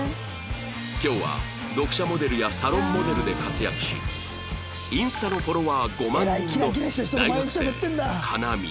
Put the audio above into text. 今日は読者モデルやサロンモデルで活躍しインスタのフォロワー５万人の大学生カナミ